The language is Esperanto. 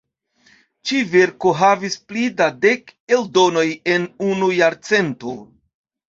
Ĉi-verko havis pli da dek eldonoj en unu jarcento.